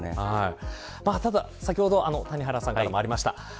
ただ先ほど谷原さんからもありました